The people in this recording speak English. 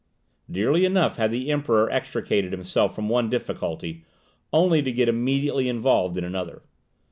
Dearly enough had the Emperor extricated himself from one difficulty, only to get immediately involved in another.